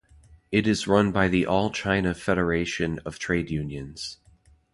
It is run by the All-China Federation of Trade Unions.